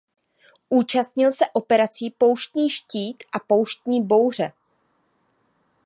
Účastnil se operací Pouštní štít a Pouštní bouře.